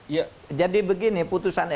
ya jadi begini putusan